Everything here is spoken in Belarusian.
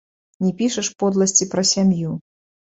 Не пішаш подласці пра сям'ю.